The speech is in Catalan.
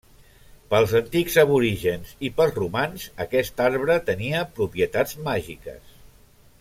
Pels antics aborígens i pels romans aquest arbre tenia propietats màgiques.